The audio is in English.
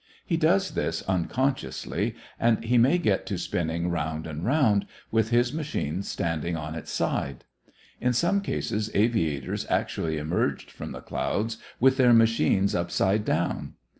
He does this unconsciously, and he may get to spinning round and round, with his machine standing on its side. In some cases aviators actually emerged from the clouds with their machines upside down.